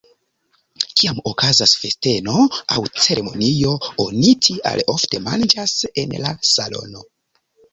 Kiam okazas festeno aŭ ceremonio, oni tial ofte manĝas en la salono.